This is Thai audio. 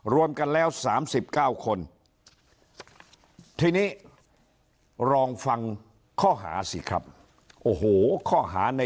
ร่วมกันแล้ว๓๙คน